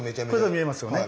見えますよね。